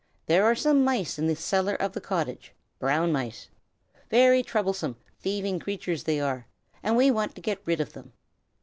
There are some mice in the cellar of the cottage, brown mice. Very troublesome, thieving creatures they are, and we want to get rid of them.